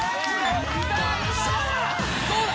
どうだ？